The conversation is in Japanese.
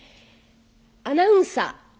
アナウンサー。